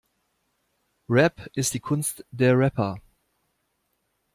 Rap ist die Kunst der Rapper.